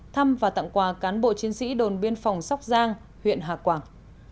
thăm và tặng quà cán bộ chiến sĩ đồn biên phòng sóc giang huyện hà quảng